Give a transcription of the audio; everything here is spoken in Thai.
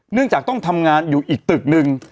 เนื่องจากต้องทำงานอยู่อีกตึกหนึ่ง